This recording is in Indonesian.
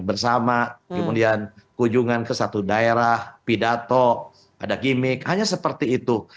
bersama kemudian kunjungan ke satu daerah pidato ada gimmick hanya seperti itu